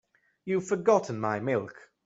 You've forgotten my milk.